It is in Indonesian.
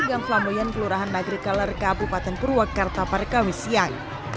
gang flamoyan kelurahan nagrika lerka bupaten purwakarta parkawisian